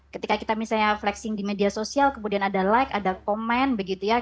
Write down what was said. ketika kita misalnya flexing di media sosial kemudian ada like ada komen begitu ya